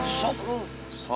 gue cabut ya man